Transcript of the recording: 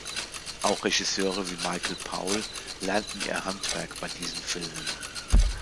Auch Regisseure wie Michael Powell lernten ihr Handwerk bei diesen Filmen.